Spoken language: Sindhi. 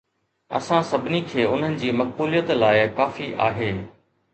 اسان سڀني کي انهن جي مقبوليت لاء ڪافي آهي